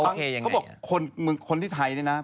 เขาบอกคนที่ไทยเนี่ยนะ